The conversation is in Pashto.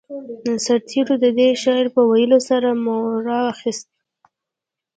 سرتېرو د دې شعار په ويلو سره مورال اخیست